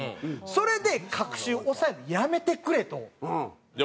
それで隔週押さえるのやめてくれと。